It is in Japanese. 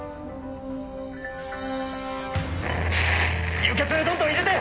輸血どんどん入れて！